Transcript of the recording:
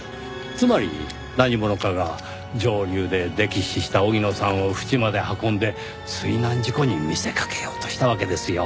つまり何者かが上流で溺死した荻野さんを淵まで運んで水難事故に見せかけようとしたわけですよ。